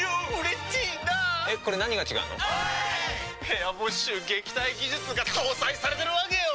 部屋干し臭撃退技術が搭載されてるわけよ！